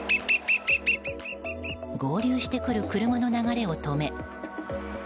合流してくる車の流れを止め